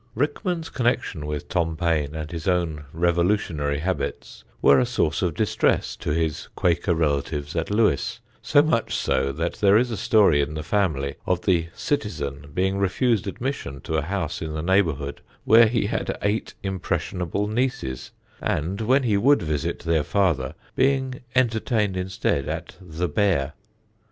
Rickman's connection with Tom Paine and his own revolutionary habits were a source of distress to his Quaker relatives at Lewes, so much so that there is a story in the family of the Citizen being refused admission to a house in the neighbourhood where he had eight impressionable nieces, and, when he would visit their father, being entertained instead at the Bear.